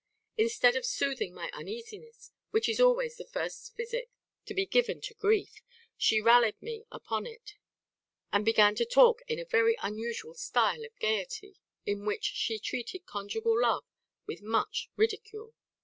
Instead of soothing my uneasiness, which is always the first physic to be given to grief, she rallied me upon it, and began to talk in a very unusual stile of gaiety, in which she treated conjugal love with much ridicule.